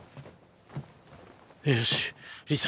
よしリサ